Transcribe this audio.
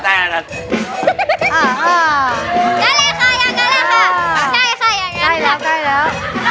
ได้แล้วได้แล้ว